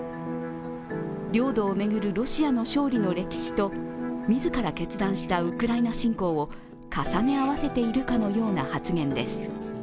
領土を巡るロシアの勝利の歴史と自ら決断したウクライナ侵攻を重ね合わせているかのような発言です。